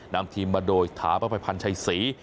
นำทีมมาโดยถาปภัยพันธ์ชัยศรี